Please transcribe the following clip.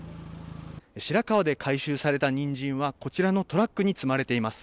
白川で回収されたニンジンは、こちらのトラックに積まれています。